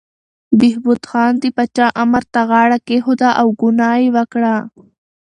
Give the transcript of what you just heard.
بهبود خان د پاچا امر ته غاړه کېښوده او ګناه یې وکړه.